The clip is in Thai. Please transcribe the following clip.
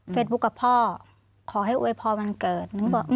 เฟซบุ๊กกับพ่อขอให้อวยพ่อมันเกิด